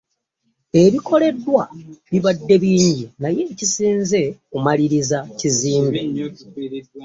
Ebikoleddwa bibadde bingi naye ekisinze kumaliriza kizimbe.